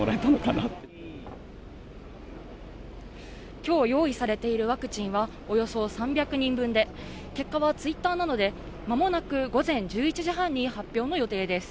今日用意されているワクチンはおよそ３００人分で、結果はＴｗｉｔｔｅｒなどで間もなく午前１１時半に発表の予定です。